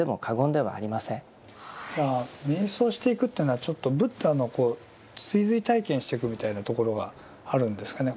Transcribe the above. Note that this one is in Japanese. じゃあ瞑想していくというのはちょっとブッダの追随体験してくみたいなところがあるんですかね。